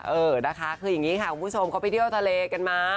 เออนะคะคืออย่างนี้ค่ะคุณผู้ชมเขาไปเที่ยวทะเลกันมา